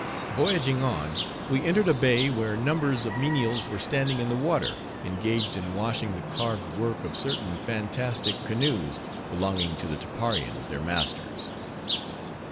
Voyaging on, we entered a bay, where numbers of menials were standing in the water, engaged in washing the carved work of certain fantastic canoes, belonging to the Tapparians, their masters.